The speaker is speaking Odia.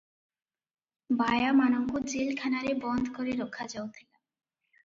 ବାୟାମାନଙ୍କୁ ଜେଲ୍ ଖାନାରେ ବନ୍ଦ କରି ରଖା ଯାଉଥିଲା ।